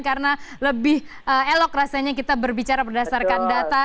karena lebih elok rasanya kita berbicara berdasarkan data